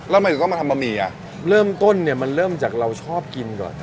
แล้วทำไมถึงต้องมาทำบะหมี่อ่ะเริ่มต้นเนี่ยมันเริ่มจากเราชอบกินก่อน